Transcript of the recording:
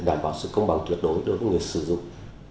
đảm bảo sự công bằng tuyệt đối đối với người sử dụng